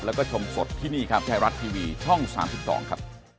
แล้วก็ชมสดที่นี่ครับไทยรัฐทีวีช่อง๓๒ครับ